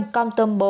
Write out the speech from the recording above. công tùm bốn